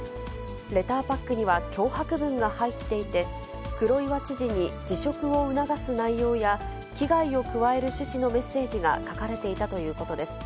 レターパックには脅迫文が入っていて、黒岩知事に辞職を促す内容や、危害を加える趣旨のメッセージが書かれていたということです。